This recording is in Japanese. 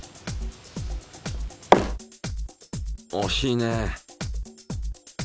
おしいね。